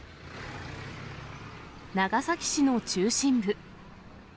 長崎市の中心部。